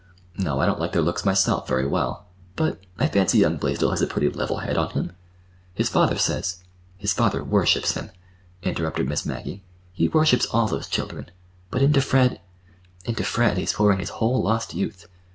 "No, I don't like their looks myself very well, but—I fancy young Blaisdell has a pretty level head on him. His father says—" "His father worships him," interrupted Miss Maggie. "He worships all those children. But into Fred—into Fred he's pouring his whole lost youth.